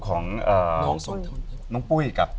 สวัสดีครับ